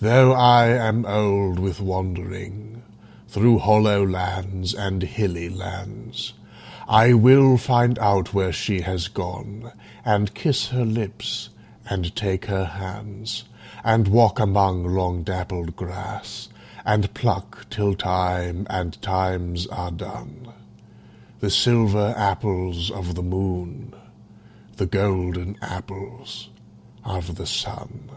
Though I am old with wandering Through hollow lands and hilly lands, I will find out where she has gone, And kiss her lips and take her hands; And walk among long dappled grass, And pluck till time and times are done The silver apples of the moon, The golden apples of the sun.